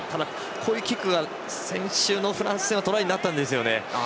こういうキックが先週のフランスではトライになったんですよね。